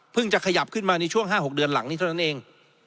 จะขยับขึ้นมาในช่วง๕๖เดือนหลังนี้เท่านั้นเอง